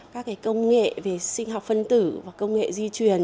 các công nghệ về sinh học phân tử và công nghệ di truyền